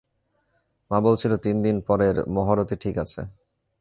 মা বলছিল, তিনদিন পরের মহরতই ঠিক আছে।